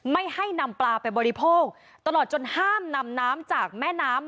ไม่ให้นำปลาไปบริโภคตลอดจนห้ามนำน้ำจากแม่น้ำ